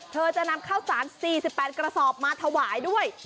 เธอจะนำข้าวสาร๔๘กระสอบมาถวายด้วย